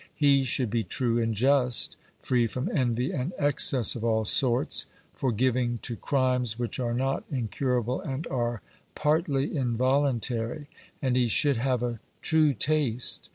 He should be true and just, free from envy and excess of all sorts, forgiving to crimes which are not incurable and are partly involuntary; and he should have a true taste.